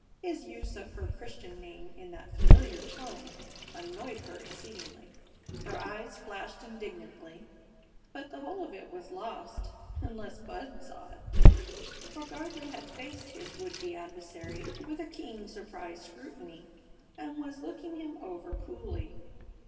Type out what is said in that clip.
His use of her Christian name in that familiar tone annoyed her exceedingly. Her eyes flashed indignantly, but the whole of it was lost unless Bud saw it, for Gardley had faced his would be adversary with a keen, surprised scrutiny, and was looking him over coolly.